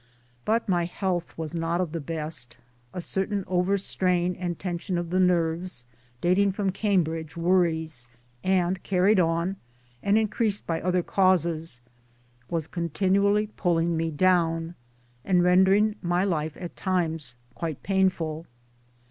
But my health was not of the best a certain overstrain and tension of the nerves, dating from Cambridge worries, and 1 carried on and in creased by other causes, was continually pulling me down, and rendering my life at times quite painful.